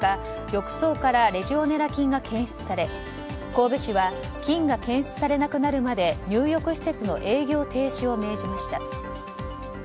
浴槽からレジオネラ菌が検出され、神戸市は菌が検出されなくなるまで入浴施設の営業停止を命じました。